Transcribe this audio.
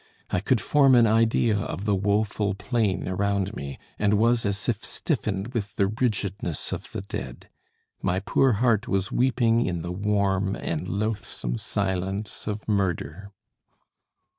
I could form an idea of the woeful plain around me, and was as if stiffened with the rigidness of the dead. My poor heart was weeping in the warm and loathsome silence of murder.